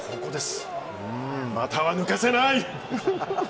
股は抜かせない！